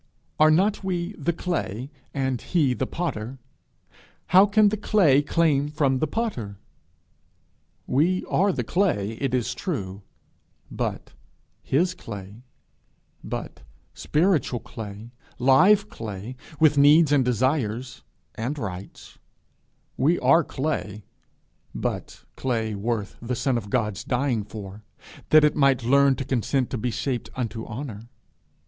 Are not we the clay, and he the potter? how can the clay claim from the potter? We are the clay, it is true, but his clay, but spiritual clay, live clay, with needs and desires and rights; we are clay, but clay worth the Son of God's dying for, that it might learn to consent to be shaped unto honour.